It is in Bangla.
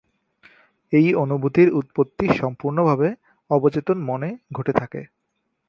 এই অনুভূতির উৎপত্তি সম্পূর্ণভাবে অবচেতন মনে ঘটে থাকে।